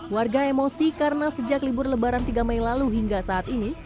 warga emosi karena sejak libur lebaran tiga mei lalu hingga saat ini